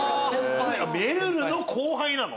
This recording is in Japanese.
めるるの後輩なの？